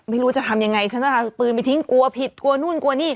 ไม่รู้จะทำยังไงฉันจะเอาปืนไปทิ้งกลัวผิดกลัวนู่นกลัวนี่